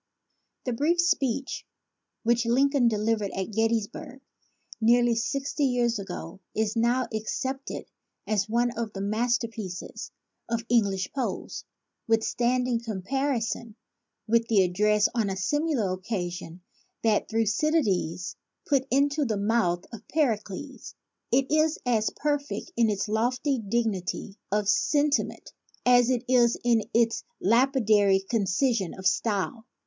The brief speech which Lincoln delivered at Gettysburg nearly sixty years ago is now ac cepted as one of the masterpieces of English prose, withstanding comparison with the ad dress on a similar occasion that Thucydides put into the mouth of Pericles. It is as perfect in its lofty dignity of sentiment as it is in its lapi dary concision of style.